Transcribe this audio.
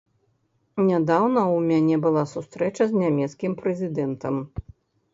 Нядаўна ў мяне была сустрэча з нямецкім прэзідэнтам.